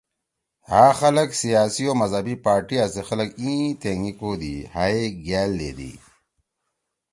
ہأ خلگ سیاسی او مذہبی پارٹیا سی خلگ ایِں تینگی کودی، ہائے گأل دیدی۔